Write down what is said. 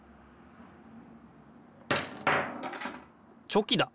チョキだ。